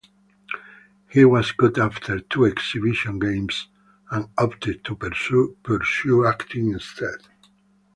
He was cut after two exhibition games, and opted to pursue acting instead.